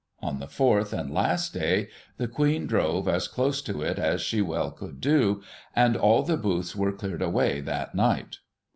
On the fourth, and last day, the Queen drove as close to it as she well could do, and all the booths were cleared away that night.